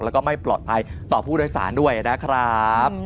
แล้วก็ไม่ปลอดภัยต่อผู้โดยสารด้วยนะครับ